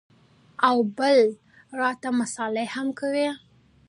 او بل راته مسالې هم کوې.